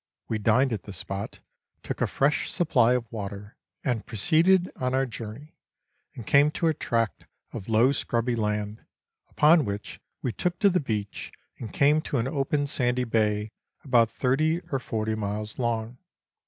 We dined at this spot, took a fresh supply of water, and proceeded on our journey, and came to a tract of low scrubby land, upon which we took to the beach, and came to an open sandy bay, about thirty or forty miles long.